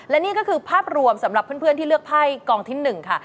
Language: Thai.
และนี่ก็คือภาพรวมสำหรับเพื่อนที่เลือกไพ่กองที่๑ค่ะ